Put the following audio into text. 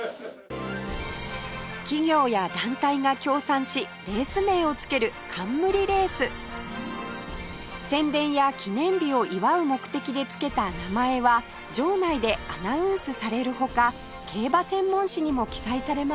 企業や団体が協賛しレース名を付ける冠レース宣伝や記念日を祝う目的で付けた名前は場内でアナウンスされる他競馬専門誌にも記載されます